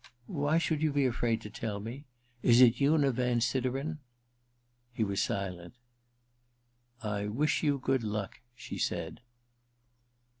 * Why should you be afraid to tell me ? Is it Una Van Sideren ?* He was silent. ^ I wish you good luck,' she said.